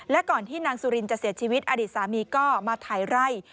และก่อนที่นางสุรินจะเสียชีวิตอดีตสามีก็มาถ่ายไร่